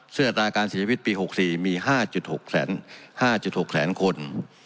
ซึ่งอัตราการเสียชีวิตปี๖๔มี๕๖๕๖แสนคน